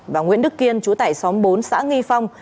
và nguyễn đức kiên chú tải xóm bốn xã nghi phong